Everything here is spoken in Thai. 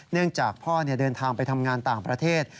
เนื่องจากพ่อเดินทางไปทำงานต่างประเทศ